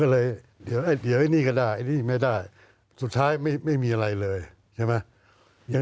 เดี๋ยวนี้ก็ได้สุดท้ายไม่มีอะไรเลย